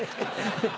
ハハハ。